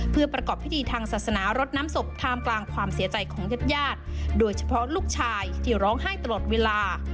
เพื่อประกอบพิธีทางศาสนารดน้ำศพท่ามกลางความเสียใจของญาติญาติโดยเฉพาะลูกชายที่ร้องไห้ตลอดเวลา